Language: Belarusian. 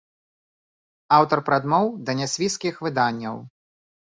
Аўтар прадмоў да нясвіжскіх выданняў.